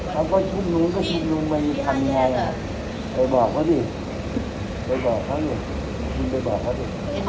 เขาก็ชุดนุ้งไปทำยังไงไปบอกเขาสิ